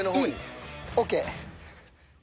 ＯＫ！